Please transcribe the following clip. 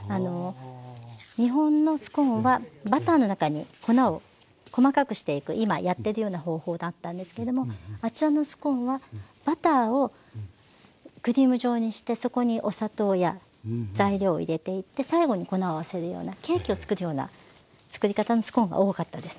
日本のスコーンはバターの中に粉を細かくしていく今やってるような方法だったんですけどもあちらのスコーンはバターをクリーム状にしてそこにお砂糖や材料を入れていって最後に粉を合わせるようなケーキを作るような作り方のスコーンが多かったです。